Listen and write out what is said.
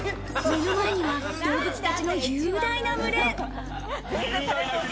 目の前には動物たちの雄大な群れ。